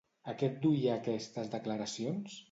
A què adduïa aquestes declaracions?